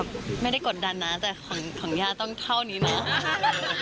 ก็ไม่ได้กดดันนะแต่ของย่าต้องเท่านี้เนาะ